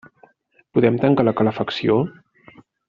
Podem tancar la calefacció?